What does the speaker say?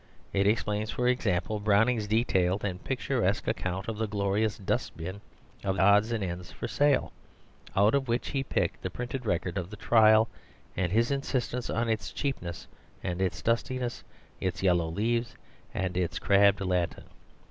It explains, for example, Browning's detailed and picturesque account of the glorious dust bin of odds and ends for sale, out of which he picked the printed record of the trial, and his insistence on its cheapness, its dustiness, its yellow leaves, and its crabbed Latin.